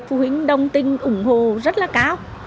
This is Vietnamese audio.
phụ huynh đồng tinh ủng hộ rất là cao